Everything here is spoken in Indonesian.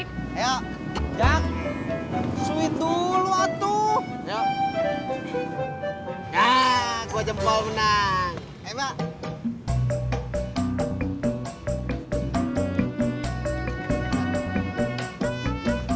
ketan hitamnya abis